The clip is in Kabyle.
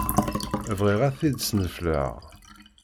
Bɣiɣ ad t-id-snefleɣ.